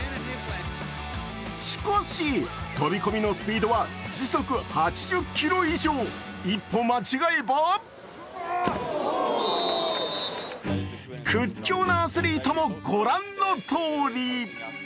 しかし、飛び込みのスピードは時速８０キロ以上一歩間違えば屈強なアスリートもご覧のとおり。